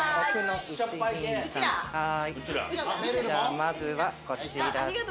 まずはこちらと。